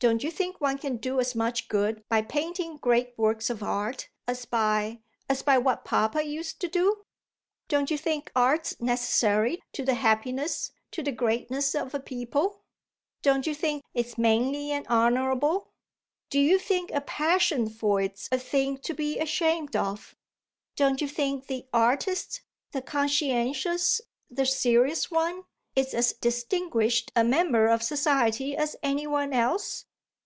"Don't you think one can do as much good by painting great works of art as by as by what papa used to do? Don't you think art's necessary to the happiness, to the greatness of a people? Don't you think it's manly and honourable? Do you think a passion for it's a thing to be ashamed of? Don't you think the artist the conscientious, the serious one is as distinguished a member of society as any one else?"